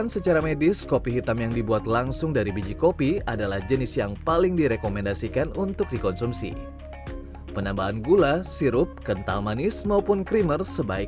serta asam lambung dan sakit pada tubuh